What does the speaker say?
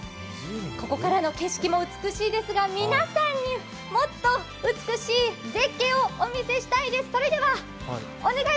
ここからの景色も美しいですが皆さんにもっと美しい絶景をお見せしたいです。